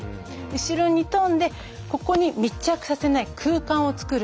後ろに飛んでここに密着させない空間を作る。